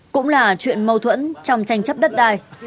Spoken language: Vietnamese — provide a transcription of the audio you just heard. cũng là chuyện mâu thuẫn trong tranh chấp đất đai